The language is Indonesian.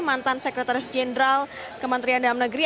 mantan sekretaris jenderal kementerian dalam negeri